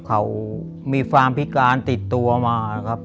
เขามีความพิการติดตัวมานะครับ